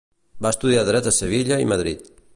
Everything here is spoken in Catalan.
Va estudiar Dret a Sevilla i Madrid.